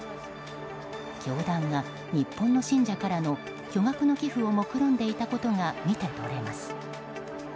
教団が、日本の信者からの巨額の寄付をもくろんでいたことが見てとれます。